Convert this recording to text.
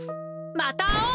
またあおう！